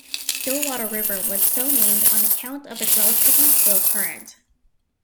Stillwater River was so named on account of its relatively slow current.